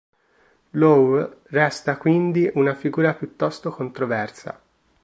Lowe resta quindi una figura piuttosto controversa.